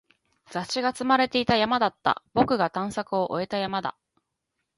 雑誌が積まれていた山だった。僕が探索を終えた山だ。